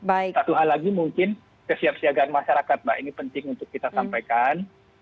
satu hal lagi mungkin kesiapsiagaan masyarakat mbak ini penting untuk kita sampaikan